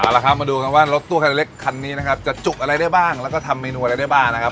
เอาละครับมาดูกันว่ารถตู้คันเล็กคันนี้นะครับจะจุกอะไรได้บ้างแล้วก็ทำเมนูอะไรได้บ้างนะครับ